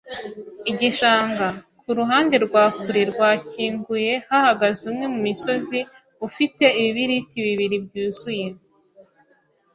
igishanga. Kuruhande rwa kure rwakinguye hahagaze umwe mumisozi, ufite ibibiriti bibiri, byuzuye